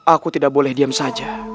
aku tidak boleh diam saja